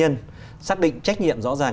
nên xác định trách nhiệm rõ ràng